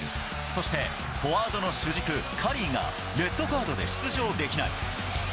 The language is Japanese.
そして、フォワードの主軸、カリーがレッドカードで出場できない。